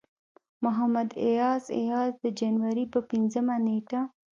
محمد اياز اياز د جنوري پۀ پينځمه نيټه